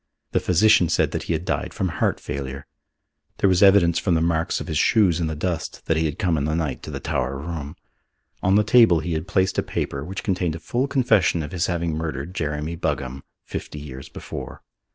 The physician said that he had died from heart failure. There was evidence from the marks of his shoes in the dust that he had come in the night to the tower room. On the table he had placed a paper which contained a full confession of his having murdered Jeremy Buggam fifty years before.